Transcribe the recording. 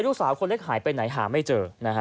ลูกสาวคนเล็กหายไปไหนหาไม่เจอ